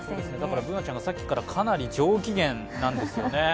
Ｂｏｏｎａちゃんがさっきからかなり上機嫌なんですよね。